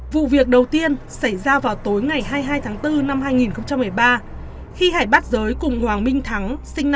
vụ việc đầu tiên xảy ra vào tối ngày hai mươi hai tháng bốn năm hai nghìn một mươi ba khi hải bắt giới cùng hoàng minh thắng